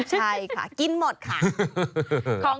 ใช่ค่ะกินหมดค่ะ